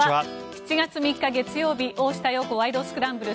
７月３日、月曜日「大下容子ワイド！スクランブル」。